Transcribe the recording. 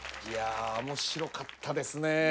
いや面白かったですね。